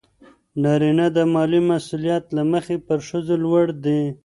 نارینه د مالي مسئولیت له مخې پر ښځو لوړ دی.